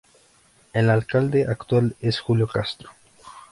El alcalde actual es Julio Castro.